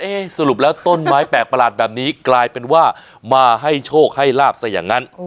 สรุปแล้วต้นไม้แปลกประหลาดแบบนี้กลายเป็นว่ามาให้โชคให้ลาบซะอย่างนั้น